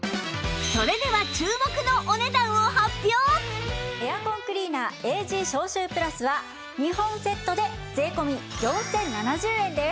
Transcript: それでは注目のエアコンクリーナー ＡＧ 消臭プラスは２本セットで税込４０７０円です。